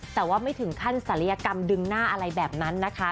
แต่ว่าไม่ถึงขั้นศัลยกรรมดึงหน้าอะไรแบบนั้นนะคะ